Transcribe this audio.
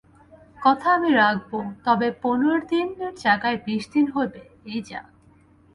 কথা আমি রাখব, তবে পনর দিনের জায়গায় বিশ দিন হবে, এই যা।